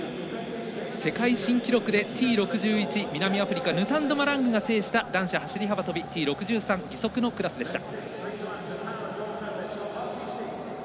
世界新記録でＴ６１南アフリカヌタンド・マラングが制した男子走り幅跳びＴ６３義足のクラスでした。